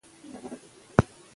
مګر هلته چې خلک د خوراک دي .